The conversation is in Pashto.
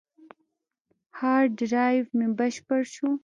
هارد ډرایو مې بشپړ شو.